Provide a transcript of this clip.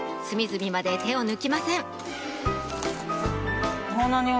隅々まで手を抜きません